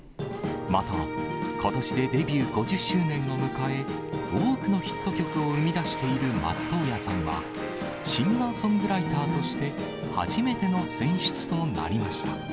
また、ことしでデビュー５０周年を迎え、多くのヒット曲を生み出している松任谷さんは、シンガーソングライターとして初めての選出となりました。